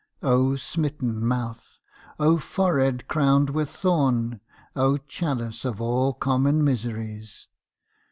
O smitten mouth! O forehead crowned with thorn! O chalice of all common miseries!